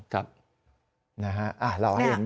ครับ